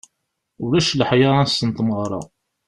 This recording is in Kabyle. Ulac leḥya ass n tmeɣra.